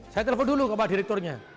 saya telepon dulu ke pak direkturnya